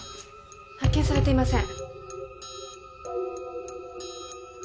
発見されていません。